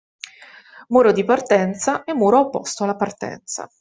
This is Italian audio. Muro di partenza e muro opposto alla partenza.